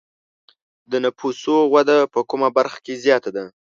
د نفوسو وده په کومه برخه کې زیاته ده؟